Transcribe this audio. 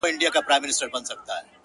مه وله د سترگو اټوم مه وله.